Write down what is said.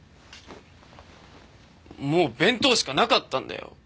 もう弁当しかなかったんだよ